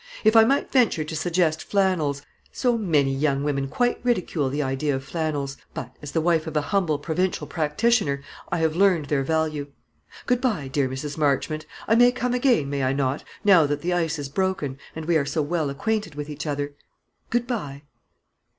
If I might venture to suggest flannels so many young women quite ridicule the idea of flannels but, as the wife of a humble provincial practitioner, I have learned their value. Good bye, dear Mrs. Marchmont. I may come again, may I not, now that the ice is broken, and we are so well acquainted with each other? Good bye."